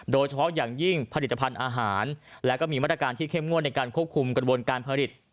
โดยเฉพาะอย่างยิ่งผลิตภัณฑ์อาหารและก็มีมาตรการที่เข้มงวดในการควบคุมกระบวนการผลิต